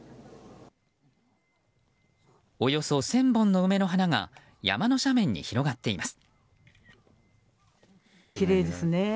およそ１０００本の梅の花が山の斜面に広がっています。